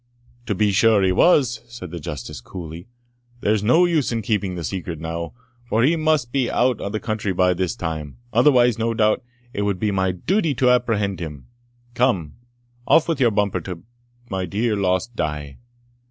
"To be sure he was," said the Justice coolly; "there's no use in keeping the secret now, for he must be out of the country by this time otherwise, no doubt, it would be my duty to apprehend him. Come, off with your bumper to my dear lost Die!